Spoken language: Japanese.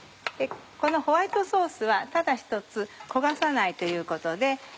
このホワイトソースはただ１つ焦がさないということで。